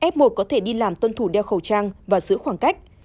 f một có thể đi làm tuân thủ đeo khẩu trang và giữ khoảng cách